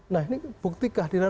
nah ini bukti kehadiran